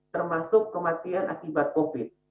termasuk kematian akibat covid